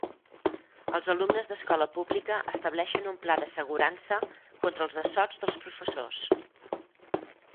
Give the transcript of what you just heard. Els alumnes d'escola pública estableixen un pla d'assegurança contra els assots dels professors.